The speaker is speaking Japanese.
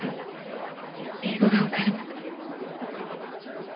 英語が分からなくて。